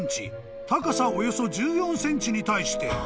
高さおよそ１４ｃｍに対して］